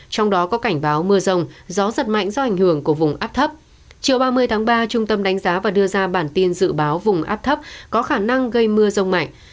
ba mươi tháng ba trung tâm đánh giá và đưa ra bản tin dự báo vùng áp thấp có khả năng gây mưa rông mạnh